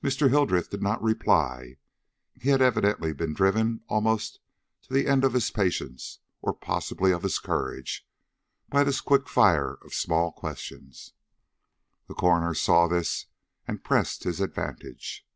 Mr. Hildreth did not reply; he had evidently been driven almost to the end of his patience, or possibly of his courage, by this quick fire of small questions. The coroner saw this and pressed his advantage.